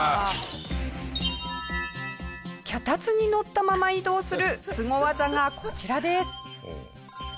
脚立に乗ったまま移動するスゴ技がこちらです。